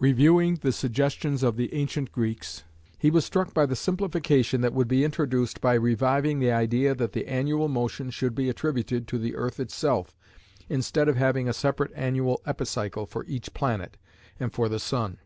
Reviewing the suggestions of the ancient Greeks, he was struck by the simplification that would be introduced by reviving the idea that the annual motion should be attributed to the earth itself instead of having a separate annual epicycle for each planet and for the sun.